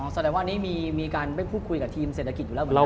แสดงว่านี้มีการไปพูดคุยกับทีมเศรษฐกิจอยู่แล้วเหมือนกัน